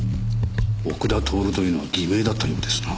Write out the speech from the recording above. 奥田徹というのは偽名だったようですな。